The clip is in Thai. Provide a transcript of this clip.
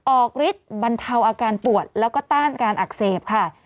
ฤทธิ์บรรเทาอาการปวดแล้วก็ต้านการอักเสบค่ะ